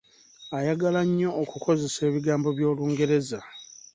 Ayagala nnyo okukozesa ebigambo by’Olungereza.